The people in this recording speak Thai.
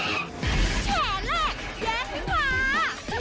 อาทิตย์นี้เจ๋วิเหมียนเรื่องเมาส์อัพเดทลอยคลุมมาจากวิทย์น้อยสี่ว่า